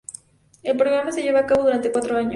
El programa se lleva a cabo durante cuatro años.